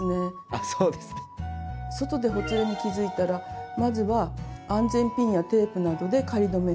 あそうですね。外でほつれに気付いたらまずは安全ピンやテープなどで仮留めして応急処置！